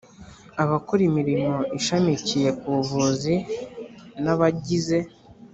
Abakora imirimo ishamikiye ku buvuzi n abagize